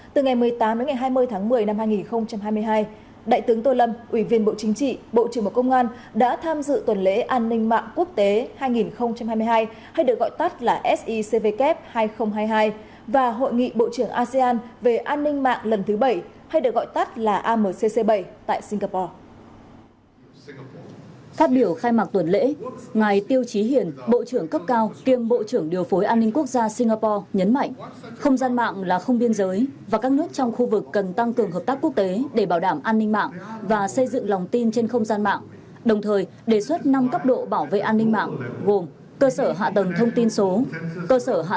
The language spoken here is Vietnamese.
từ ngày một mươi tám đến ngày hai mươi tháng một mươi năm hai nghìn hai mươi hai đại tướng tô lâm ủy viên bộ chính trị bộ trưởng bộ công an đã tham dự tuần lễ an ninh mạng quốc tế hai nghìn hai mươi hai hay được gọi tắt là sicvkf hai nghìn hai mươi hai và hội nghị bộ trưởng asean về an ninh mạng lần thứ bảy hay được gọi tắt là amcc bảy